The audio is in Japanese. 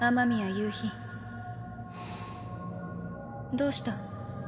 どうした？